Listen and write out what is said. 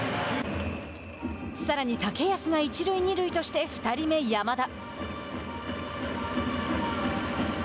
さらに、竹安が一塁二塁として２人目、山田。